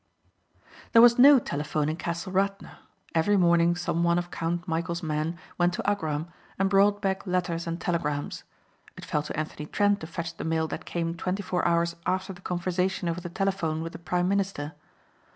There was no telephone in Castle Radna. Every morning some one of Count Michæl's men went to Agram and brought back letters and telegrams. It fell to Anthony Trent to fetch the mail that came twenty four hours after the conversation over the telephone with the prime minister.